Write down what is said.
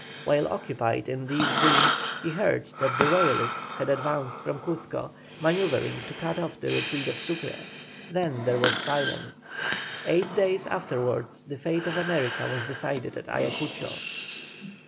While occupied in these dreams, he heard that the Royalists had advanced from Cuzco, manœuvring to cut off the retreat of Sucre; then there was silence. Eight days afterwards the fate of America was decided at Ayacucho.